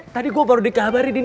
tadi gue baru dikabar din